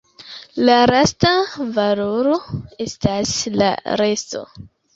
La lasta valoro estas la resto.